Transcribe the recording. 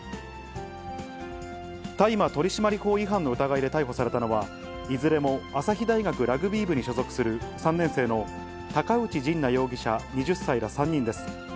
大麻取締法違反の疑いで逮捕されたのは、いずれも朝日大学ラグビー部に所属する３年生の高内仁成容疑者２０歳ら、３人です。